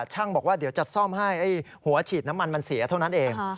ช่างบอกว่าเดี๋ยวจะซ่อมให้หัวฉีดน้ำมันมันเสียเท่านั้นเอง